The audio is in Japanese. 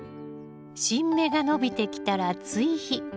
新芽が伸びてきたら追肥。